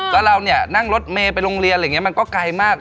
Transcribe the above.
แล้วเราเนี่ยนั่งรถเมย์ไปโรงเรียนอะไรอย่างนี้มันก็ไกลมาก